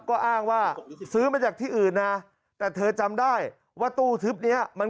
ก็อ้างว่าซื้อมาจากที่อื่นนะแต่เธอจำได้ว่าตู้ทึบเนี้ยมัน